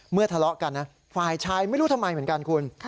ทะเลาะกันนะฝ่ายชายไม่รู้ทำไมเหมือนกันคุณ